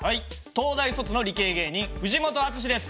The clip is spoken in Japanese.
東大卒の理系芸人藤本淳史です。